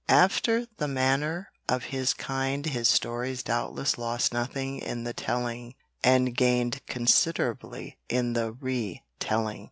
After the manner of his kind his stories doubtless lost nothing in the telling and gained considerably in the re telling.